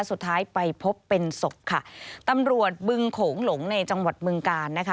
สุดท้ายไปพบเป็นศพค่ะตำรวจบึงโขงหลงในจังหวัดเมืองกาลนะคะ